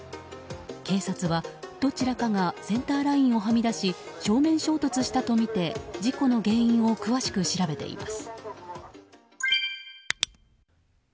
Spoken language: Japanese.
警察は、どちらかがセンターラインをはみ出し正面衝突したとみて事故の原因を詳しく調べています。